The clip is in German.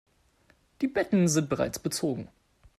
Die Betten sind bereits bezogen.